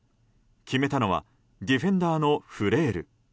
決めたのはディフェンダーのフレール。